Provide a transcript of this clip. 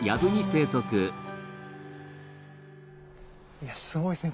いやすごいっすね